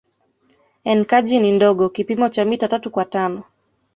Enkaji ni ndogo kipimo cha mita tatu kwa tano